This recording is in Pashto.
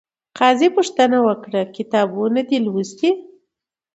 قاضي پوښتنه وکړه، کتابونه یې دې لوستي؟